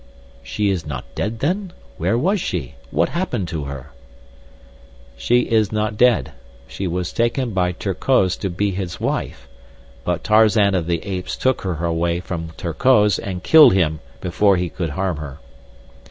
She is not dead then? Where was she? What happened to her? She is not dead. She was taken by Terkoz to be his wife; but Tarzan of the Apes took her away from Terkoz and killed him before he could harm her.